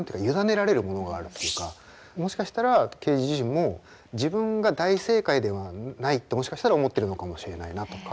もしかしたらケージ自身も自分が大正解ではないってもしかしたら思ってるのかもしれないなとか。